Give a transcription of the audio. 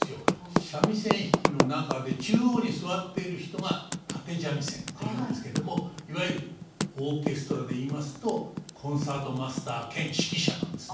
三味線弾きの中で中央に座っている人が立三味線というんですけれどもいわゆるオーケストラで言いますとコンサートマスター兼指揮者なんですね。